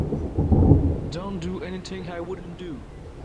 Don't do anything I wouldn't do.